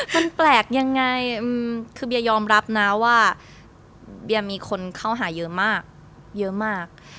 มันแปลกยังไงคือเบียยอมรับนะว่าเบียมีคนเข้าหาเยอะมากเยอะมาก